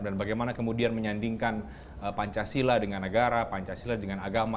dan bagaimana kemudian menyandingkan pancasila dengan negara pancasila dengan agama